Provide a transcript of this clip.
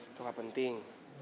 itu gak penting